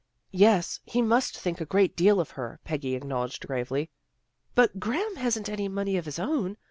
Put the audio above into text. " Yes, he must think a great deal of her," Peggy acknowledged gravely. " But Graham hasn't any money of his own.